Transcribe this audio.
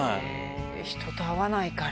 人と会わないから。